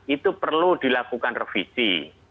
itu perlu dilakukan revisi